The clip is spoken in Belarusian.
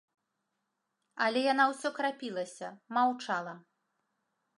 Але яна ўсё крапілася, маўчала.